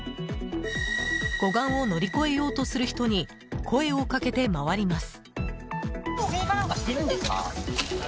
護岸を乗り越えようとする人に声をかけて回ります。